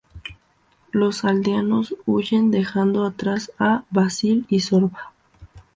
Los aldeanos huyen, dejando atrás a Basil y Zorba.